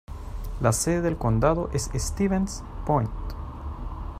La sede del condado es Stevens Point.